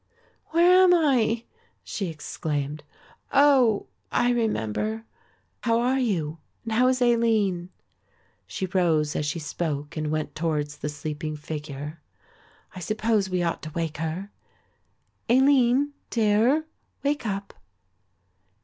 "Where am I?" she exclaimed; "oh, I remember. How are you and how is Aline?" She rose as she spoke and went towards the sleeping figure. "I suppose we ought to wake her, Aline, dear, wake up."